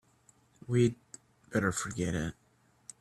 We'd better forget it.